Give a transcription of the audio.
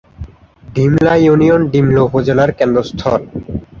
Dimla union Dimla উপজেলার কেন্দ্রস্থল।